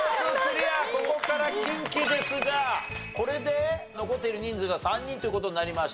ここから近畿ですがこれで残っている人数が３人という事になりました。